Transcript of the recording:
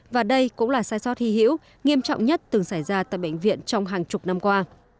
và đây cũng là sai sót hy hữu nghiêm trọng nhất từng xảy ra tại bệnh viện trong hàng chục năm qua